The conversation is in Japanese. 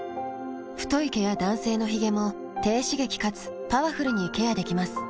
太い毛や男性のヒゲも低刺激かつパワフルにケアできます。